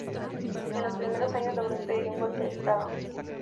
En los primeros años, logró impedir un golpe de Estado.